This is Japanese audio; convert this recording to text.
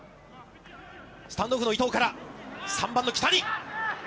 スタンドオフの伊藤から３番の木谷。